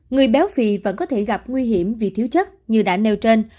người béo phì vẫn có thể gặp nguy hiểm vì thiếu chất như đã nêu trên